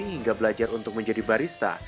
hingga belajar untuk menjadi barista